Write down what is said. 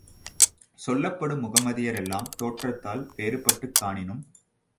சொல்லப்படும் முகமதியரெல்லாம் தோற்றத்தால் வேறுபட்டுக் காணினும்